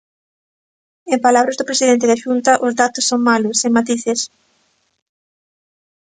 En palabras do presidente da Xunta, os datos son malos, sen matices.